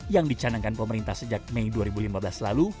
yang dicanangkan pemerintah sejak mei dua ribu lima belas lalu